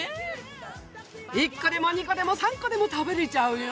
１個でも２個でも３個でも食べれちゃうよ！